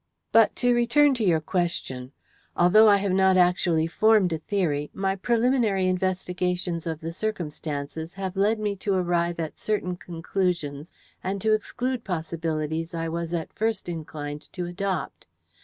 But to return to your question. Although I have not actually formed a theory, my preliminary investigations of the circumstances have led me to arrive at certain conclusions and to exclude possibilities I was at first inclined to adopt.